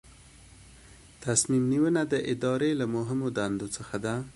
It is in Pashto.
تصمیم نیونه د ادارې له مهمو دندو څخه ده.